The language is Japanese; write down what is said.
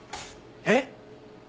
えっ！？